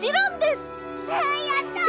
やった！